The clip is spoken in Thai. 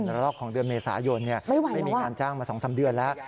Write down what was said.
ระลอกของเดือนเมษายนไม่มีงานจ้างมา๒๓เดือนแล้ว